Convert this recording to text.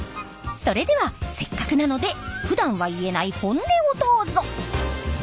それではせっかくなのでふだんは言えない本音をどうぞ！